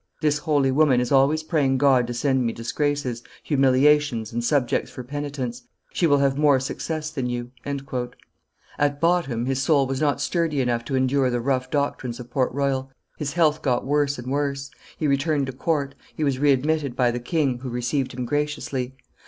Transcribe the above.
This holy woman is always praying God to send me disgraces, humiliations, and subjects for penitence; she will have more success than you." At bottom his soul was not sturdy enough to endure the rough doctrines of Port Royal; his health got worse and worse; he returned to court; he was re admitted by the king, who received him graciously.